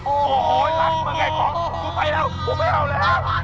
โอ้โหรักมึงไงของกูไปแล้วกูไม่เอาแล้ว